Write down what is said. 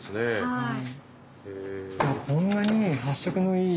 はい。